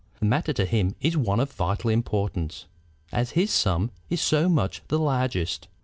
The matter to him is one of vital importance, as his sum is so much the largest.